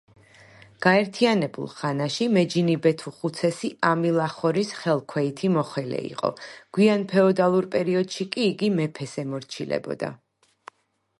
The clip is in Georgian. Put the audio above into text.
გაერთიანებულ ხანაში მეჯინიბეთუხუცესი ამილახორის ხელქვეითი მოხელე იყო, გვიანდელ ფეოდალურ პერიოდში კი იგი მეფეს ემორჩილებოდა.